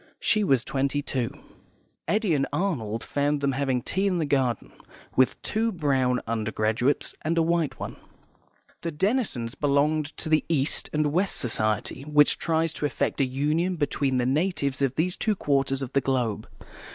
She was twenty two. Eddy and Arnold found them having tea in the garden, with two brown undergraduates and a white one. The Denisons belonged to the East and West Society, which tries to effect a union between the natives of these two quarters of the globe.